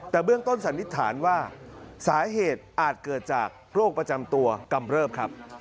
แต่เบื้องต้นสันนิษฐานว่าสาเหตุอาจเกิดจากโรคประจำตัวกำเริบครับ